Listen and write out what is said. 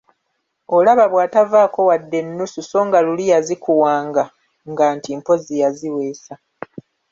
Olaba bwatavaako wadde ennusu so nga luli yazikuwanga nga nti mpozzi yaziweesa!